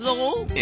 え？